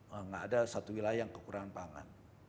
tidak ada satu wilayah yang kekurangan pangan